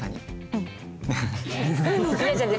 うん。